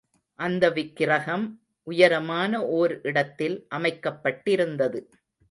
அந்த விக்கிரகம் உயரமான ஓர் இடத்தில் அமைக்கப்பட்டிருந்தது.